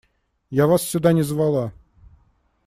Я вас сюда не звала.